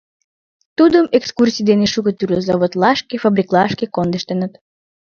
Тудым экскурсий дене шуко тӱрлӧ заводлашке, фабриклашке кондыштыныт.